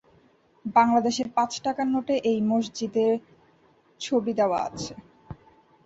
বাংলাদেশের পাঁচ টাকার নোটে এই মসজিদের ছবি দেওয়া আছে।